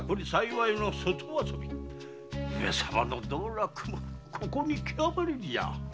上様の道楽もここに極まれりじゃ。